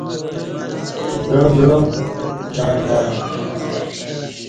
بعا بعا دں دں